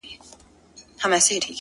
o سم داسي ښكاري راته ـ